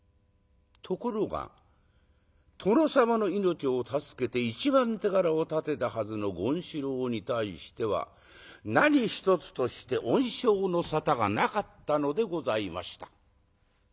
ところが殿様の命を助けて一番手柄を立てたはずの権四郎に対しては何一つとして恩賞の沙汰がなかったのでございました。